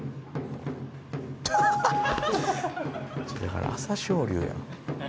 マジだから朝青龍やん。